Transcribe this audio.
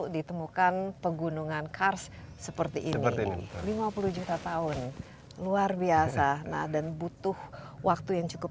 ditemukan pegunungan kars seperti ini lima puluh juta tahun luar biasa nah dan butuh waktu yang cukup